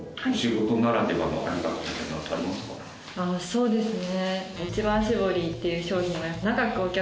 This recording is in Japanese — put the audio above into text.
そうですね。